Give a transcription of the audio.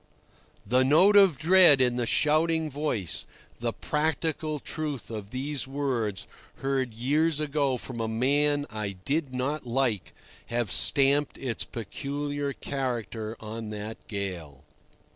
The note of dread in the shouting voice, the practical truth of these words, heard years ago from a man I did not like, have stamped its peculiar character on that gale.